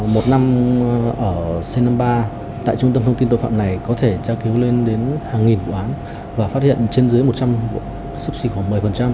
một năm ở c năm mươi ba tại trung tâm thông tin tội phạm này có thể tra cứu lên đến hàng nghìn vụ án và phát hiện trên dưới một trăm sấp xỉ khoảng một mươi